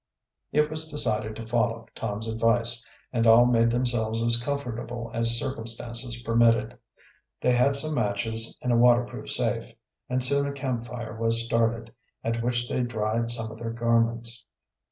It was decided to follow Tom's advice, and all made themselves as comfortable as circumstances permitted. They had some matches in a waterproof safe, and soon a camp fire was started, at which they dried some of their garments.